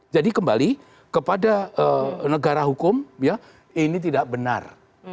jadi kembali kepada negara hukum ya ini tidak benar